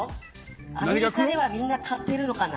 アメリカではみんな、買ってるのかな。